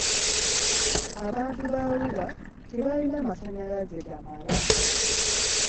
Abantu ba Arua tebalina masannyalaze gamala.